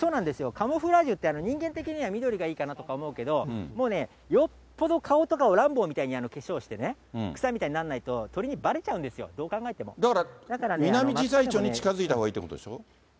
カモフラージュって、人間的には緑がいいかなとか思うけど、もうね、よっぽど顔とかを、ランボーとかみたいに化粧してね、草みたいになんないと、鳥にばれだから、ミナミジサイチョウに近づいたほうがいいってことでしょ？